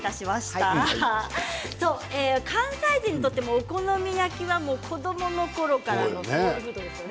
関西人にとってお好み焼きは子どものころからソウルフードですよね。